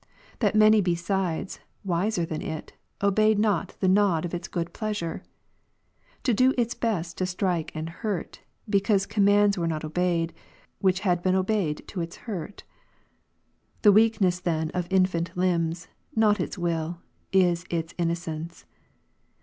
that many besides, wiser than it, obeyed not the nod of its good pleasure? to do its best to strike and hurt, because commands were not obeyed, which had been obeyed to its hurt ? The weakness then of infant limbs, not its will, is its innocence.